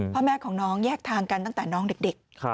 พ่อแม่ของน้องแยกทางกันตั้งแต่น้องเด็ก